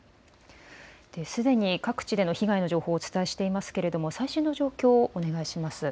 すでに各地での被害の情報をお伝えしていますが最新の状況をお願いします。